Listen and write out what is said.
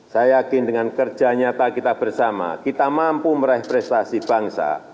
saya yakin dengan kerja nyata kita bersama kita mampu meraih prestasi bangsa